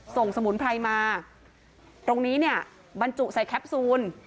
สมุนไพรมาตรงนี้เนี่ยบรรจุใส่แคปซูล